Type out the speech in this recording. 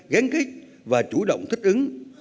gán kích và chủ động thích ứng